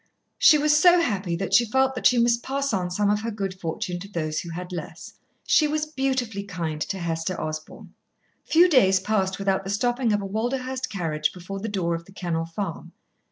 She was so happy that she felt that she must pass on some of her good fortune to those who had less. She was beautifully kind to Hester Osborn. Few days passed without the stopping of a Walderhurst carriage before the door of The Kennel Farm.